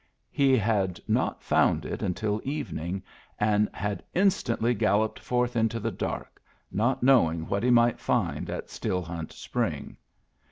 He had not found it until evening, and had instantly galloped forth into the dark, not knowing what he might find at Still Hunt Spring.